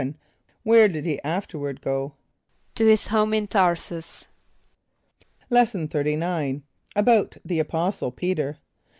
= Where did he afterward go? =To his home in Tär´sus.= Lesson XXXIX. About the Apostle Peter.